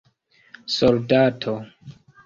soldato